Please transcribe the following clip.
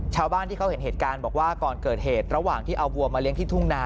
ชาวบ้านที่เขาเห็นเหตุการณ์บอกว่าก่อนเกิดเหตุระหว่างที่เอาวัวมาเลี้ยงที่ทุ่งนา